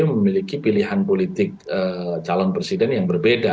memiliki pilihan politik calon presiden yang berbeda